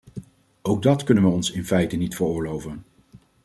Ook dat kunnen we ons in feite niet veroorloven.